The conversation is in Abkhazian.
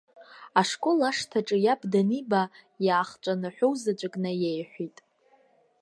Ашкол ашҭаҿы иаб даниба, иаахҵәаны ҳәоу заҵәык наиеиҳәит.